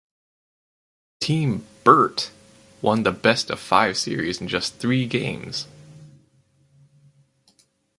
Team Birt won the best of five series in just three games.